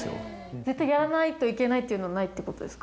絶対やらないといけないというのないってことですか？